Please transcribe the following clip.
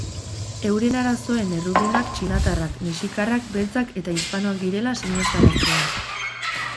Euren arazoen errudunak txinatarrak, mexikarrak, beltzak eta hispanoak direla sinestaraztea.